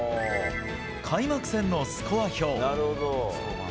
開幕戦のスコア表。